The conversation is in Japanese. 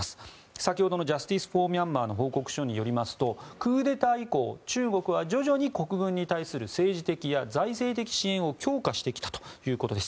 先ほどのジャスティス・フォー・ミャンマーの報告書によりますとクーデター以降中国は徐々に国軍に対する政治的、財政的支援を強化してきたということです。